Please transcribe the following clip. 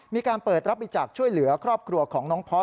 มีการเปิดรับบริจาคช่วยเหลือครอบครัวของน้องพอส